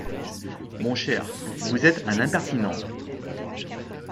Mon cher, vous êtes un impertinent !